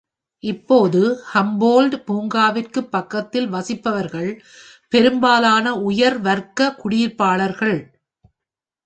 இப்போது ஹம்போல்ட் பூங்காவிற்கு பக்கத்தில் வசிப்பவர்கள் பெரும்பாலான உயர் வர்க்க குடியிருப்பாளர்கள்.